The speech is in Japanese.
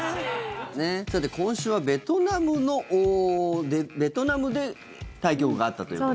さて、今週はベトナムで対局があったと。